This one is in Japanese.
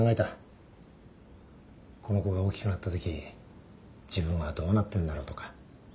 この子が大きくなったとき自分はどうなってんだろうとか